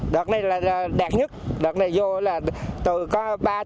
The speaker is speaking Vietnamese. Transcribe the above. đợt này là đẹp nhất đợt này vô là từ có ba mươi